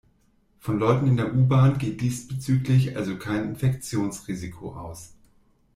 Von Leuten in der U-Bahn geht diesbezüglich also kein Infektionsrisiko aus.